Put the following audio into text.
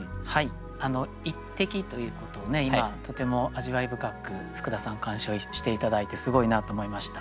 「一滴」ということを今とても味わい深く福田さん鑑賞して頂いてすごいなと思いました。